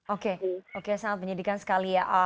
oke oke sangat menyedihkan sekali ya